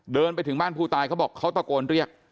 เดินไปถึงบ้านผู้ตายเขาบอกเขาตะโกนเรียก